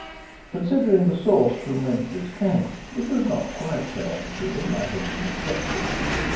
Considering the source from whence this came, it was not quite so untrue as might have been expected.